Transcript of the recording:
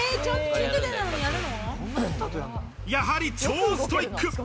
やはり超ストイック。